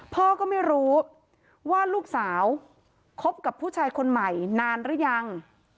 พ่อก็ไม่รู้ว่าลูกสาวคบกับผู้ชายคนใหม่นานหรือยัง